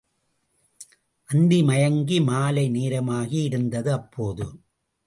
அந்திமயங்கி மாலை நேரமாகி இருந்தது அப்போது.